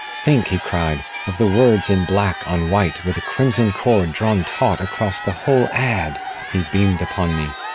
"Think," he cried, "of the words in black on white with a crimson cord drawn taut across the whole ad!" He beamed upon me.